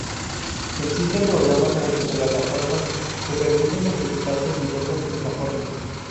Existen programas multiplataforma, que permiten ejecutarse en diversas plataformas.